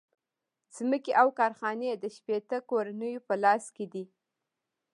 ځمکې او کارخانې د شپیته کورنیو په لاس کې دي